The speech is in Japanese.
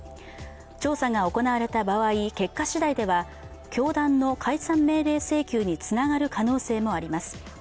調査が行われた場合、結果しだいでは教団の解散命令請求につながる可能性もあります。